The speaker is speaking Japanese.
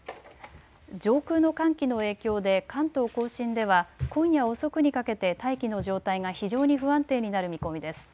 上空の寒気の影響で関東甲信では今夜遅くにかけて大気の状態が非常に不安定になる見込みです。